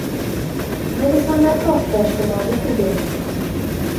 Гэта самае простае, што можна прыдумаць.